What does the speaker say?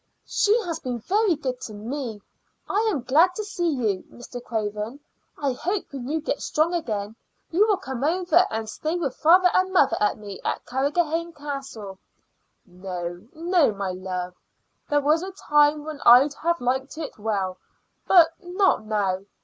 "She has been very good to me. I am glad to see you, Mr. Craven. I hope when you get strong again you will come over and stay with father and mother and me at Carrigrohane Castle." "No, no, my love. There was a time when I'd have liked it well, but not now.